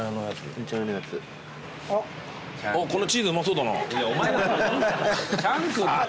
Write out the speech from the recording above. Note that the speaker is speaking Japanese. おっこのチーズうまそうだな。